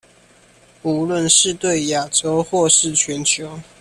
無論是對亞洲或是全球